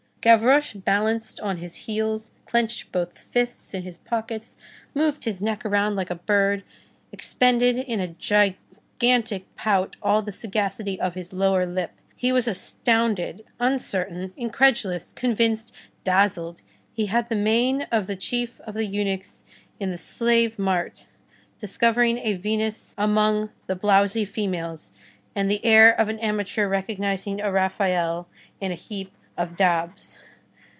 Gavroche balanced on his heels, clenched both fists in his pockets, moved his neck around like a bird, expended in a gigantic pout all the sagacity of his lower lip. He was astounded, uncertain, incredulous, convinced, dazzled. He had the mien of the chief of the eunuchs in the slave mart, discovering a Venus among the blowsy females, and the air of an amateur recognizing a Raphael in a heap of daubs.